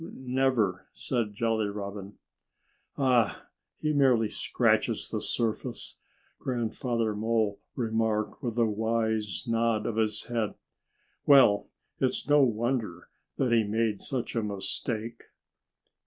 Never!" said Jolly Robin. "Ah! He merely scratches the surface!" Grandfather Mole remarked with a wise nod of his head. "Well, it's no wonder that he made such a mistake."